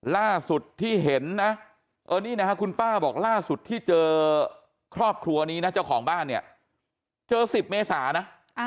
ล่าสุดที่เห็นนะนี่นะครับคุณป้าบอกล่าสุดที่เจอครอบครัวนี้นะเจ้าของบ้านเนี่ยเจอ๑๐เมษานะ